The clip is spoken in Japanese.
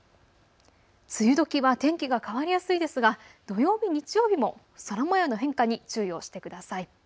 梅雨時は天気が変わりやすいですが、土曜日、日曜日も空もようの変化に注意をしてください。